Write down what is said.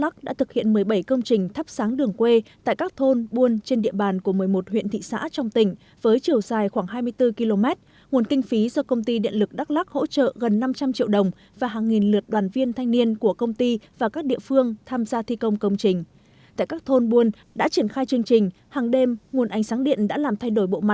chương trình thắp sáng đường quê được triển khai ở đắk lắc từ năm hai nghìn một mươi bốn đến nay